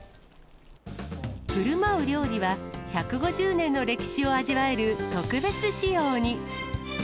ふるまう料理は、１５０年の歴史を味わえる特別仕様に。